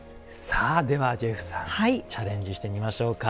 さあではジェフさんチャレンジしてみましょうか。